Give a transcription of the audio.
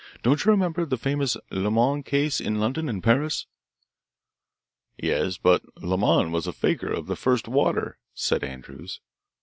Don't you remember the famous Lemoine case in London and Paris?" "Yes, but Lemoine was a fakir of the first water;" said Andrews.